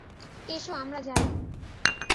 এসো আমরা যাই।